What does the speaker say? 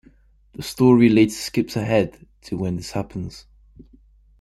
The story later skips ahead to when this happens.